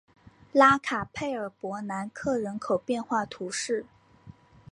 拉卡佩尔博南克人口变化图示